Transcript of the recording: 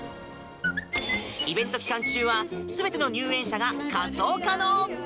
イベント期間中は全ての入園者が仮装可能。